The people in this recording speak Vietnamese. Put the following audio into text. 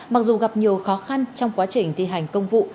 mặc dù gặp nhiều khó khăn trong quá trình thi hành công vụ